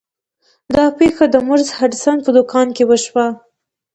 دا پیښه د مورس هډسن په دکان کې وشوه.